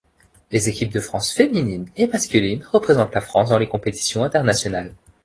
Les équipes de France féminines et masculines représentent la France dans les compétitions internationales.